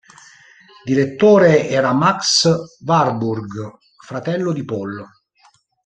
Direttore era Max Warburg, fratello di Paul.